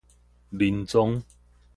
仁宗